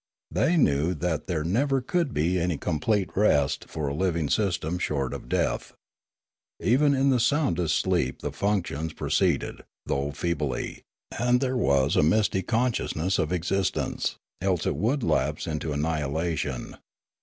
They knew that there never could be any complete rest for a living system short of death. Even in the soundest sleep the functions pro ceeded, though feebly, and there was a misty conscious ness of existence ; else it would lapse into annihilation.